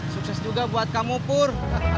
sukses juga buat kamu pur